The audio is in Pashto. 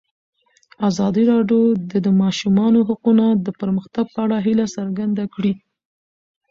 ازادي راډیو د د ماشومانو حقونه د پرمختګ په اړه هیله څرګنده کړې.